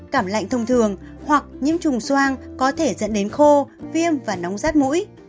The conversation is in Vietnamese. cảm lạnh thông thường hoặc nhiễm trùng soang có thể dẫn đến khô viêm và nóng rát mũi